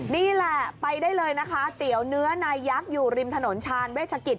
นี่แหละไปได้เลยนะคะเตี๋ยวเนื้อนายักษ์อยู่ริมถนนชาญเวชกิจ